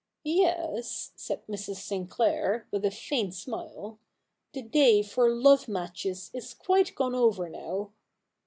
' Yes,' said Mrs. Sinclair, with a faint smile, ' the day for love matches is quite gone over now.'